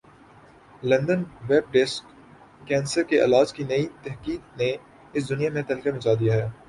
London web desk cancer کے علاج کی نئی تحقیق نے اس دنیا میں تہلکہ مچا دیا ہے